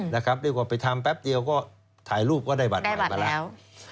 เรียกว่าไปทำแป๊บเดียวก็ถ่ายรูปก็ได้บัตรใหม่มาแล้ว